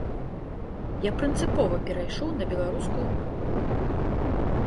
Я прынцыпова перайшоў на беларускую мову.